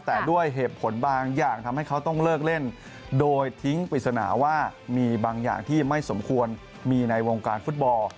แต่ด้วยเหตุผลบางอย่างทำให้เขาต้องเลิกเล่นโดยทิ้งปริศนาว่ามีบางอย่างที่ไม่สมควรมีในวงการฟุตบอล